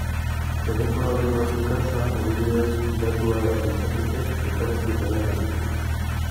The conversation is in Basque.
Telefono dei baten kasuan, adibidez, datua litzateke elkarrizketaren audioa.